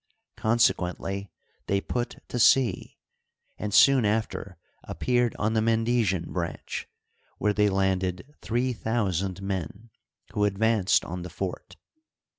Consequently they put to sea, and soon after appeared on the Mendesian branch, where they landed three thousand men, who advanced on the fort.